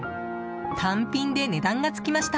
単品で値段がつきました。